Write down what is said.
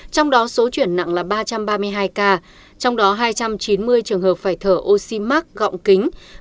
trong đó số chuyển nặng là ba trăm ba mươi hai ca trong đó hai trăm chín mươi trường hợp phải thở oxy mắc gọng kính